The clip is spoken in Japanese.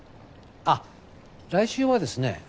あっ来週はですね